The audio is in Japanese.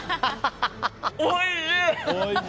おいしい！